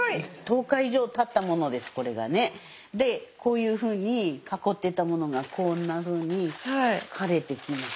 でこういうふうに囲ってたものがこんなふうに枯れてきます。